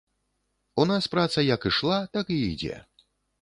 У нас праца як ішла, так і ідзе.